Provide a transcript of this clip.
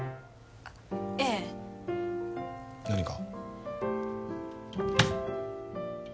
ええ何か？